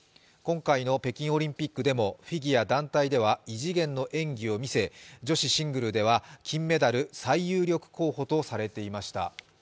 今回の北京オリンピックでもフィギュア団体では異次元の演技を見せ女子シングルでは金メダル最有力候補とされていました。